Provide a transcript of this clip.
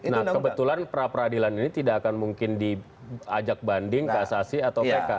nah kebetulan pra peradilan ini tidak akan mungkin diajak banding ke asasi atau pk